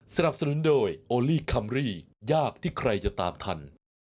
สนับสนุนโดยโอลี่คัมรี่ยากที่ใครจะตามทัน